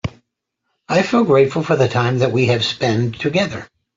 I feel grateful for the time that we have spend together.